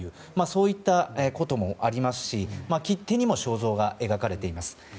そういったこともありますし切手にも肖像が描かれています。